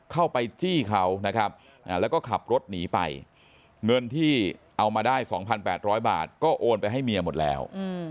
ไปจี้เขานะครับแล้วก็ขับรถหนีไปเงินที่เอามาได้๒๘๐๐บาทก็โอนไปให้เมียหมดแล้ว